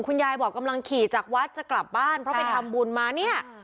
คุณยายบอกกำลังขี่จากวัดจะกลับบ้านเพราะไปทำบุญมาเนี่ย